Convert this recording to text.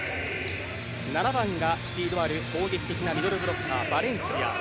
７番がスピードがある攻撃的なミドルブロッカーバレンシア。